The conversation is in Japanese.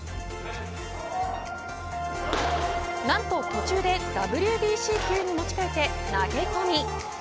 何と途中でＷＢＣ球に持ち替えて投げ込み。